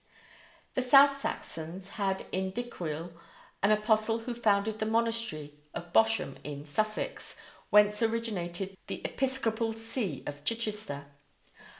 The South Saxons had in Dicuil an apostle who founded the monastery of Bosham in Sussex, whence originated the episcopal see of Chichester.